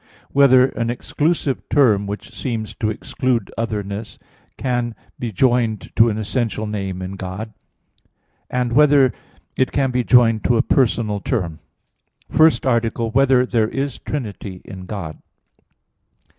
(3) Whether an exclusive term, which seems to exclude otherness, can be joined to an essential name in God? (4) Whether it can be joined to a personal term? _______________________ FIRST ARTICLE [I, Q. 31, Art. 1] Whether There Is Trinity in God?